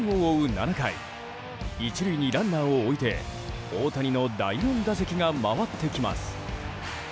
７回１塁にランナーを置いて大谷の第４打席が回ってきます。